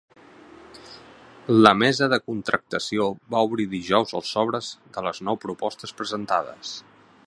La mesa de contractació va obrir dijous els sobres de les nou propostes presentades.